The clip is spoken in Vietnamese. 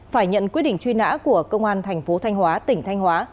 phải nhận quyết định truy nã của công an thành phố thanh hóa tỉnh thanh hóa